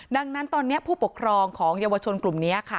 ดังนั้นตอนนี้ผู้ปกครองของเยาวชนกลุ่มนี้ค่ะ